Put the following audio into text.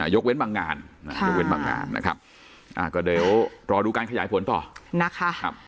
ยกเว้นบางงานนะครับก็เดี๋ยวรอดูการขยายผลต่อนะคะ